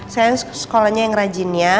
saya sekolahnya yang rajin ya